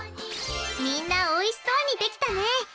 みんなおいしそうにできたね！